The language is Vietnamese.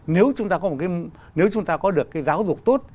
nếu chúng ta có được cái giáo dục tốt